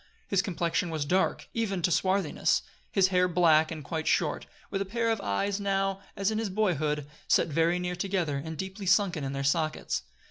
His complexion was dark, even to swarthiness; his hair black and quite short, with a pair of eyes now, as in his boyhood, set very near together and deeply sunken in their sockets.